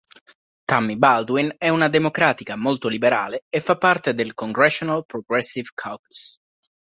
Tammy Baldwin è una democratica molto liberale e fa parte del Congressional Progressive Caucus.